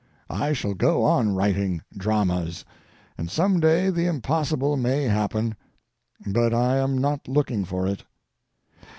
I shall go on writing dramas, and some day the impossible may happen, but I am not looking for it.